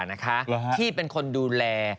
ที่เป็นคนดูแล